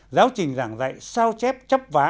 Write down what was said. giáo trình giảng dạy sao chép chấp vá